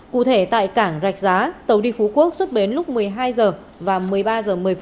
cụ thể tại cảng rạch giá tàu đi phú quốc xuất bến lúc một mươi hai h và một mươi ba h một mươi